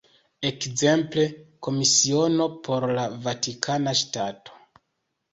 Ekzemple, Komisiono por la Vatikana Ŝtato.